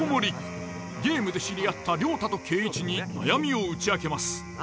ゲームで知り合った亮太と恵一に悩みを打ち明けます。